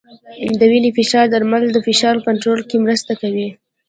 د وینې فشار درمل د فشار کنټرول کې مرسته کوي.